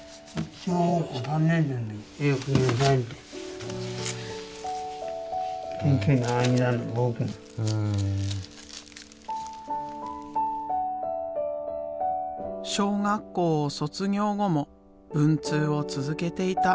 小学校を卒業後も文通を続けていた。